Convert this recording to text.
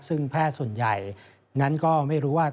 ซึ่งแพทย์ส่วนใหญ่นั้นก็ไม่รู้ว่า